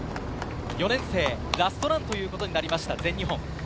４年生、ラストランということになりました、全日本。